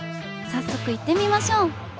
早速行ってみましょう！